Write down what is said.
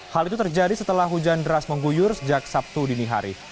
hal itu terjadi setelah hujan deras mengguyur sejak sabtu dini hari